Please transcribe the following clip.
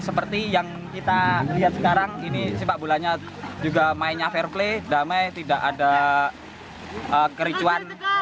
seperti yang kita lihat sekarang ini sepak bolanya juga mainnya fair play damai tidak ada kericuan